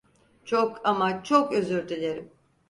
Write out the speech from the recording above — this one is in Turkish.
Çok ama çok özür dilerim.